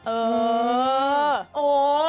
เออ